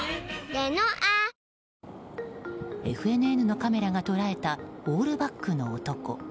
ＦＮＮのカメラが捉えたオールバックの男。